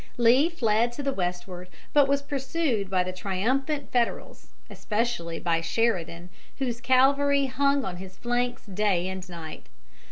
Lee fled to the westward, but was pursued by the triumphant Federals, especially by Sheridan, whose cavalry hung on his flanks day and night.